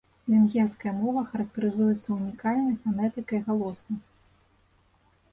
Венгерская мова характарызуецца ўнікальнай фанетыкай галосных.